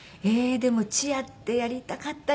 でもチアってやりたかったよね」